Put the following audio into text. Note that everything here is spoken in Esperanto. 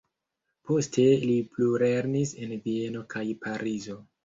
Poste li plulernis en Vieno kaj Parizo.